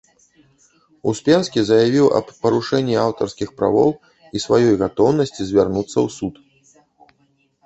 Успенскі заявіў аб парушэнні аўтарскіх правоў і сваёй гатоўнасці звярнуцца ў суд.